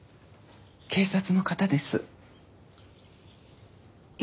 警察の方です。